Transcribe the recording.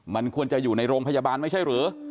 มันควรจะอยู่ในโรงพยาบาลไม่ใช่หรือ